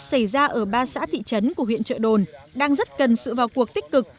xảy ra ở ba xã thị trấn của huyện trợ đồn đang rất cần sự vào cuộc tích cực